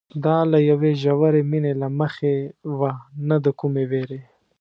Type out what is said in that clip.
دا له یوې ژورې مینې له مخې وه نه د کومې وېرې.